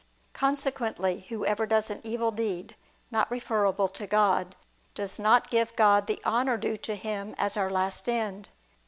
Consequently, whoever does an evil deed, not referable to God, does not give God the honor due to Him as our last end.